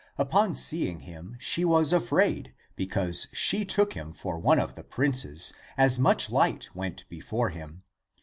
Upon seeing him, she was afraid, because she took him for one of the princes, as much light went before him.